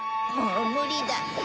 もう無理だ。